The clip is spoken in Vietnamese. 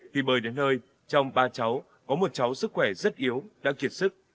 khi bơi đến nơi trong ba cháu có một cháu sức khỏe rất yếu đã kiệt sức